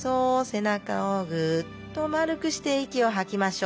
背中をグッと丸くして息を吐きましょう。